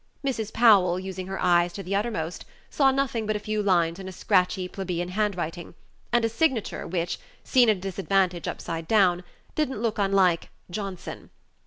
Mrs. Powell, using her eyes to the utmost, saw nothing but a few lines in a scratchy, plebeian handwriting, and a signature which, seen at a disadvantage upside down, did n't look unlike "Johnson."